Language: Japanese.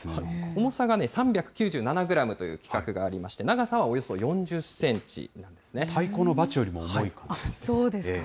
重さが３９７グラムという規格がありまして、長さはおよそ４太鼓のばちよりも重い感じでそうですか。